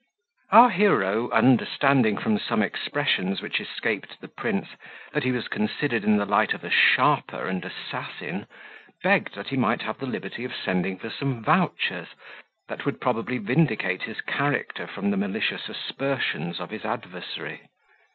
Our hero, understanding from some expressions which escaped the prince, that he was considered in the light of a sharper and assassin, begged that he might have the liberty of sending for some vouchers, that would probably vindicate his character from the malicious aspersions of his adversary.